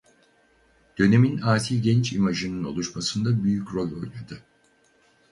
Dönemin asi genç imajının oluşmasında büyük rol oynadı.